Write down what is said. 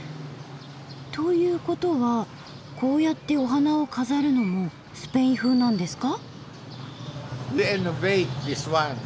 ということはこうやってお花を飾るのもスペイン風なんですか？